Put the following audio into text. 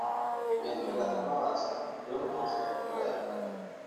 Mientras la trama avanza, Johnny se enamora de Clara.